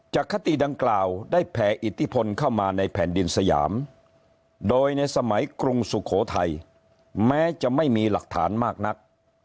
คติดังกล่าวได้แผ่อิทธิพลเข้ามาในแผ่นดินสยามโดยในสมัยกรุงสุโขทัยแม้จะไม่มีหลักฐานมากนัก